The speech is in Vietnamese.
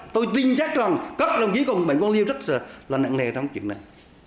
tôi tin chắc lòng cất lòng chí cùng bệnh quan liêu rất là nặng nề trong chuyện này